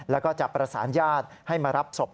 แล้วก็จะประสานญาติให้มารับศพ